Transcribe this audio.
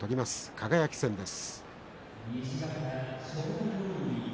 輝戦です。